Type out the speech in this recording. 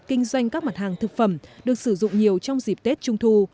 kinh doanh các mặt hàng thực phẩm được sử dụng nhiều trong dịp tết trung thu